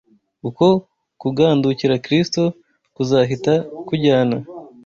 uko kugandukira Kristo kuzahita kujyana